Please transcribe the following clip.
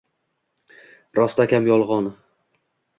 rostakam yolgʼon